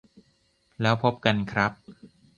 แล้วพบกันครับ